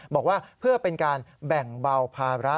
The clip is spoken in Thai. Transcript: บอกว่าเพื่อเป็นการแบ่งเบาภาระ